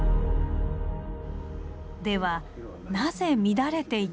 ではなぜ乱れていたのか。